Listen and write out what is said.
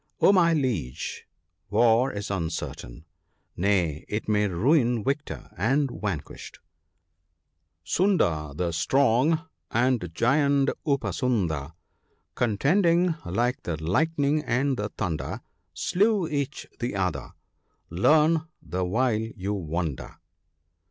Oh, my Liege ! war is uncertain ! Nay, it may ruin victor and vanquished, —" Sunda the strong, and giant Upasunda ( 101 ), Contending, like the lightning and the thunder, Slew each the other. Learn, the while you wonder.'